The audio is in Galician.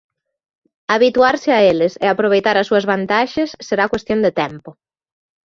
Habituarse a eles e aproveitar as súas vantaxes será cuestión de tempo.